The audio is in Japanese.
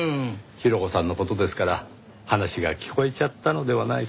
ヒロコさんの事ですから話が聞こえちゃったのではないかと。